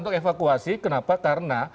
untuk evakuasi kenapa karena